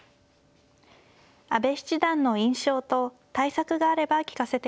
阿部七段の印象と対策があれば聞かせてください。